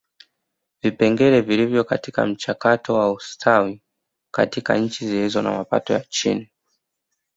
Vipengele vilivyo katika mchakato wa ustawi katika nchi zilizo na mapato ya chini